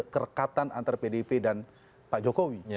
kerekatan antar pdip dan pak jokowi